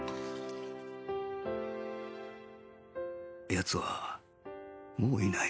奴はもういない